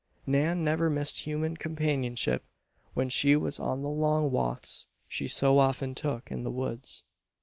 Nan never missed human companionship when she was on the long walks she so often took in the woods.